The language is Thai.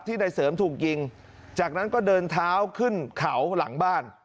นายเสริมถูกยิงจากนั้นก็เดินเท้าขึ้นเขาหลังบ้าน